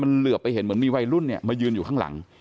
เหลือไปเห็นเหมือนมีวัยรุ่นเนี่ยมายืนอยู่ข้างหลัง